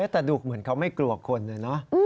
แต่ดูเหมือนเขาไม่กลัวคนเลยเนอะ